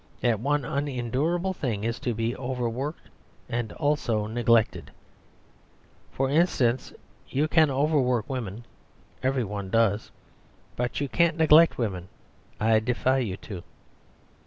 That one unendurable thing is to be overworked and also neglected. For instance, you can overwork women everybody does. But you can't neglect women I defy you to.